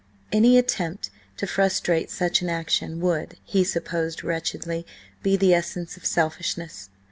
Any attempt to frustrate such an action would, he supposed wretchedly, be the essence of selfishness.